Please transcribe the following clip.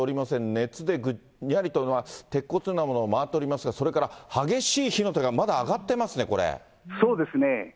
熱でぐにゃりと鉄骨のようなものが曲がっておりますが、それから、激しい火の手がまだ上がっていますね、そうですね。